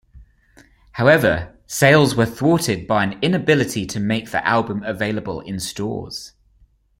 However, sales were thwarted by an inability to make the album available in stores.